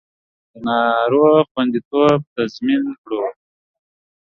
د ناروغ خوندیتوب تضمین کړو